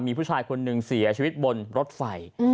มีผู้ชายคนหนึ่งเสียชีวิตบนรถไฟ